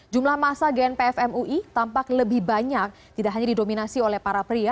jumlah masa gnpf mui tampak lebih banyak tidak hanya didominasi oleh para pria